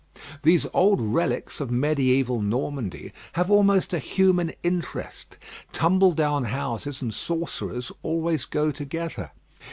These old relics of mediæval Normandy have almost a human interest. Tumbledown houses and sorcerers always go together.